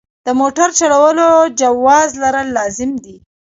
د موټر چلولو جواز لرل لازم دي.